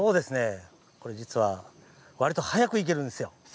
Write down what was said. これ、わりと速く行けるんですよ。